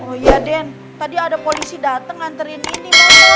oh iya den tadi ada polisi datang nganterin ini